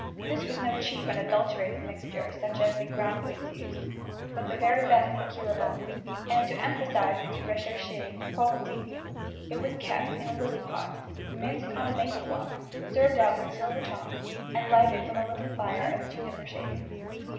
This was no cheap and adulterated mixture, such as the "groundlings" used, but the very best procurable: and, to emphasise its recherché quality, it was kept in a lily pot, minced on a maple block, served out with silver tongs, and lighted from a little fire of juniper shavings.